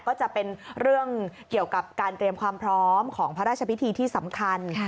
ก็จะเป็นเรื่องเกี่ยวกับการเตรียมความพร้อมของพระราชพิธีที่สำคัญ